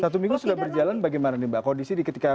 satu minggu sudah berjalan bagaimana nih mbak kondisi di ketika